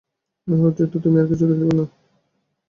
ইহার অতিরিক্ত তুমি আর কিছুই দেখিতে পাও না।